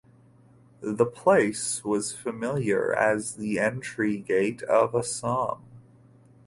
The place was familiar as the entry gate of Assam.